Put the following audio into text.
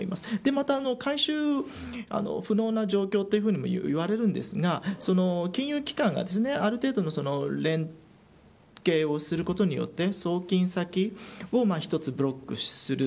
また、回収不能な状況ともいわれるんですが金融機関がある程度連携をすることによって送金先を一つブロックする。